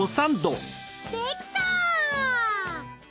できた！